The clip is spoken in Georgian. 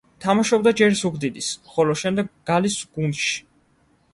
თამაშობდა ჯერ ზუგდიდის, ხოლო შემდეგ გალის გუნდში.